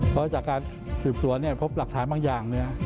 พอจากการสืบสวนพบหลักฐานบางอย่าง